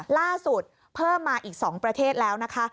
เพิ่มมาอีก๒ประเทศแล้วนะคะ